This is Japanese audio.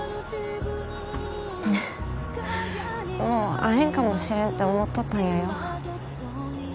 もう会えんかもしれんって思っとったんやよ